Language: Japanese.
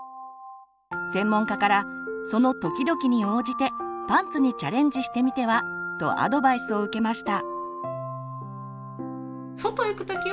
専門家から「その時々に応じてパンツにチャレンジしてみては」とアドバイスを受けました。